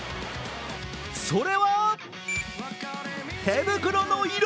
それは、手袋の色。